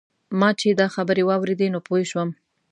ما چې دا خبرې واورېدې نو پوی شوم.